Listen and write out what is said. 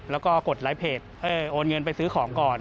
แล้วก็กดไลค์เพจโอนเงินไปซื้อของก่อน